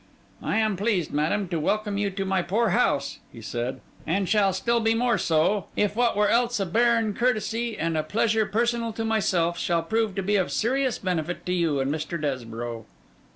'I am pleased, madam, to welcome you to my poor house,' he said; 'and shall be still more so, if what were else a barren courtesy and a pleasure personal to myself, shall prove to be of serious benefit to you and Mr. Desborough.